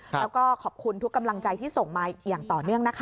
แล้วก็ขอบคุณทุกกำลังใจที่ส่งมาอย่างต่อเนื่องนะคะ